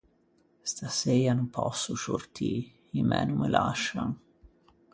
Staseia no pòsso sciortî, i mæ no me lascian.